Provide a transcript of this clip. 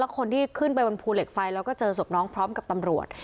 คนที่ขึ้นไปบนภูเหล็กไฟแล้วก็เจอศพน้องพร้อมกับตำรวจ